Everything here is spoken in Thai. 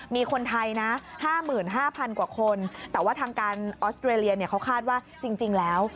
มีคนไทยนะ๕๕๐๐กว่าคนแต่ว่าทางการออสเตรเลียเขาคาดว่าจริงแล้ว